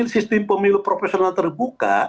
sistem pemilu profesional terbuka